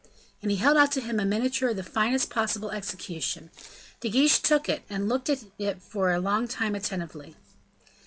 And he held out to him a miniature of the finest possible execution. De Guiche took it, and looked at it for a long time attentively.